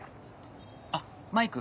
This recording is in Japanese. あっマイク？